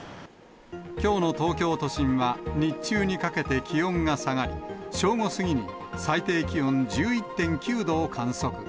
きょうの東京都心は、日中にかけて気温が下がり、正午過ぎに最低気温１１．９度を観測。